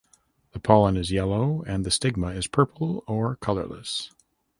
The pollen is yellow and the stigma is purple or colourless.